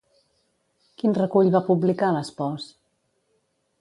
Quin recull va publicar l'espòs?